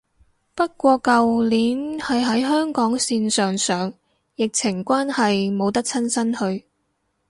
不過舊年係喺香港線上上，疫情關係冇得親身去